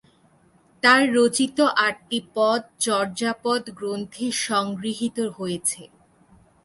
তাঁর রচিত আটটি পদ চর্যাপদ গ্রন্থে সংগৃহীত হয়েছে।